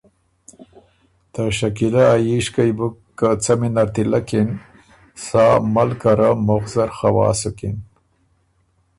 ته شکیلۀ ا ييشکئ بُو که څمی نر تِلک اِن، سا ملکه ره مُخ زر خوا سُکِن۔